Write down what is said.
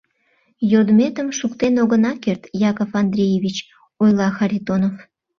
— Йодметым шуктен огына керт, Яков Андреевич, — ойла Харитонов.